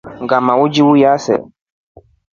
Ngʼama wliuya see.